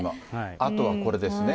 あとはこれですね。